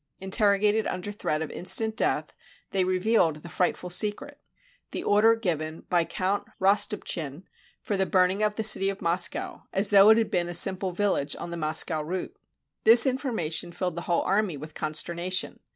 Interrogated under threat of instant death, they revealed the frightful secret, the order given by Count Rostopchin for the burning of the city of Moscow as though it had been a 122 THE BURNING OF MOSCOW simple village on the Moscow route. This information filled the whole army with consternation.